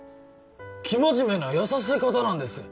生真面目な優しい方なんです